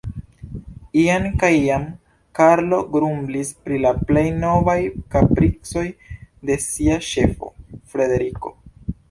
Iam kaj iam Karlo grumblis pri la plej novaj kapricoj de sia ĉefo, Frederiko.